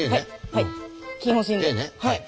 はい。